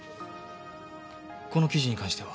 この記事に関しては？